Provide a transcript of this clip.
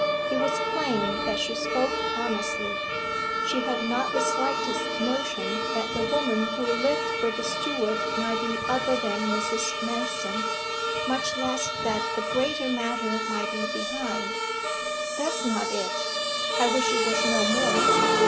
It was plain that she spoke honestly. She had not the slightest notion that the woman who lived with the steward might be other than Mrs. Manston much less that a greater matter might be behind. 'That's not it I wish it was no more.